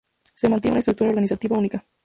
Se mantiene una estructura organizativa única.